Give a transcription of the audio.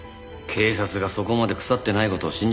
警察がそこまで腐ってない事を信じたいけどな。